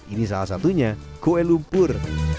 ini salah satunya kue lumpur